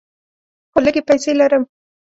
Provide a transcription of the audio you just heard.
هو، لږې پیسې لرم